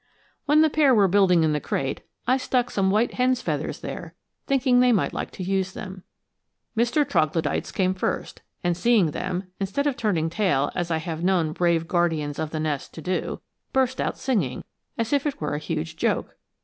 When the pair were building in the crate, I stuck some white hen's feathers there, thinking they might like to use them. Mr. Troglodytes came first, and seeing them, instead of turning tail as I have known brave guardians of the nest to do, burst out singing, as if it were a huge joke.